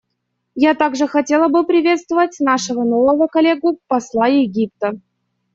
Я также хотела бы приветствовать нашего нового коллегу — посла Египта.